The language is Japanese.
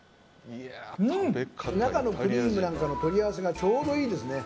中のクリームなんかの取り合わせがちょうどいいですね。